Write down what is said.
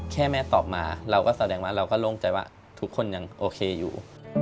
แค่แม่ตอบมาเราก็แสดงว่าเราก็โล่งใจว่าทุกคนยังโอเคอยู่